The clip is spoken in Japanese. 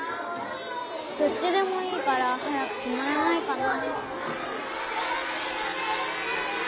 どっちでもいいから早くきまらないかな。